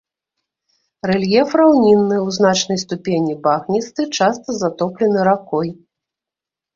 Рэльеф раўнінны, у значнай ступені багністы, часта затоплены ракой.